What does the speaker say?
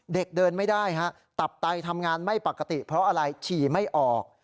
เดินไม่ได้ฮะตับไตทำงานไม่ปกติเพราะอะไรฉี่ไม่ออก